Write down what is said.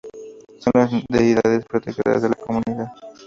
Son las deidades protectoras de la comunidad.